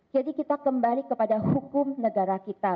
jadi kita kembali kepada hukum negara kita